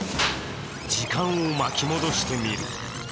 時間を巻き戻してみる。